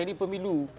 karena ini pemilu